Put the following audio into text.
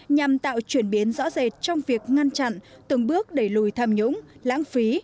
nhằm tạo chuyển biến rõ rệt trong việc ngăn chặn từng bước đẩy lùi tham nhũng lãng phí